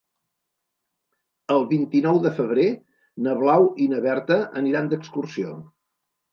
El vint-i-nou de febrer na Blau i na Berta aniran d'excursió.